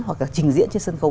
hoặc là trình diễn trên sân khấu